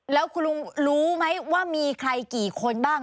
แล้วคุณลุงรู้ไหมว่ามีใครกี่คนบ้าง